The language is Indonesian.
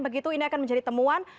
begitu ini akan menjadi temuan